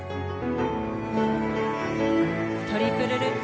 トリプルルッツ。